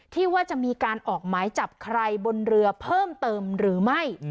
ที่ว่าจะมีการออกหมายจับใครบนเรือเพิ่มเติมหรือไม่